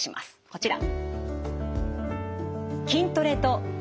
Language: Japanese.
こちら。